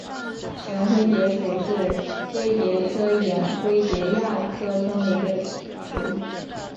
旋灰蝶属是灰蝶科眼灰蝶亚科中的一个属。